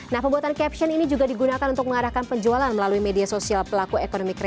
nah pembuatan caption ini juga digunakan untuk mengarahkan penjualan melalui media sosial pelaku ekonomi kreatif